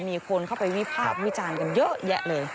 มีคนเข้าไปวิพากษ์วิจารณ์กันเยอะแยะเลย